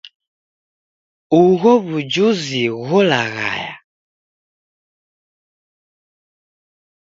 Ugho w'ujuzi gholaghaya.